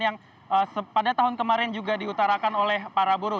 yang pada tahun kemarin juga diutarakan oleh para buruh